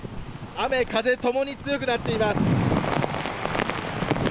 雨、風ともに強くなっています。